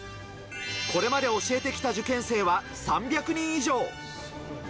これまで教えてきた受験生は３００人以上。